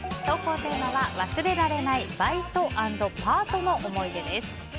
投稿テーマは、忘れられないバイト＆パートの思い出です。